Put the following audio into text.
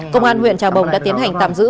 công an huyện trà bồng đã tiến hành tạm giữ